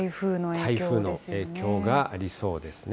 台風の影響がありそうですね。